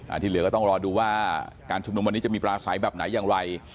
ที่เหลือก็ต้องรอดูว่าการชุมนุมวันนี้จะมีปลาใสแบบไหนอย่างไร